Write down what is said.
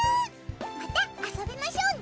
また遊びましょうね。